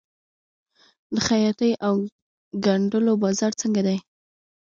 د خیاطۍ او ګنډلو بازار څنګه دی؟